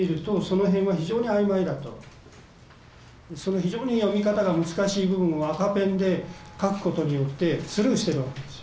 非常に読み方が難しい部分を赤ペンで書くことによってスルーしてるわけですよ。